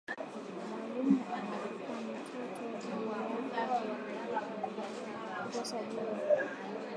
Mwalimu anapika mtoto juya kukosa jibu